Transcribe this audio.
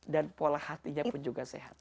dan pola hatinya pun juga sehat